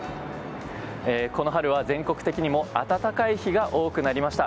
この春は全国的にも暖かい日が多くなりました。